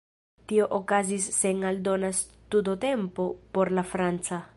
Tio okazis sen aldona studotempo por la franca.